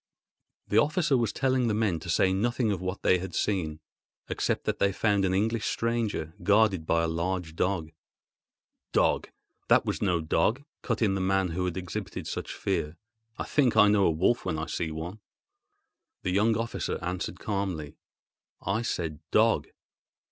The officer was telling the men to say nothing of what they had seen, except that they found an English stranger, guarded by a large dog. "Dog! that was no dog," cut in the man who had exhibited such fear. "I think I know a wolf when I see one." The young officer answered calmly: "I said a dog."